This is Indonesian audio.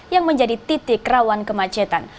yang menjadi titik rawan kemacetan